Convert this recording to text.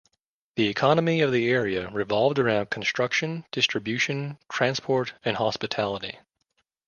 The economy of the area revolved around construction, distribution, transport and hospitality.